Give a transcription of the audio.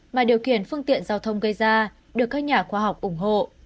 mà điều khiển phương tiện giao thông gây ra được các nhà khoa học ủng hộ